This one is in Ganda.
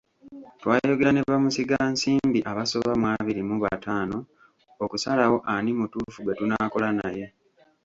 Twayogera ne bamusigansimbi abasoba mu abiri mu bataano okusalawo ani mutuufu gwe tunaakola naye.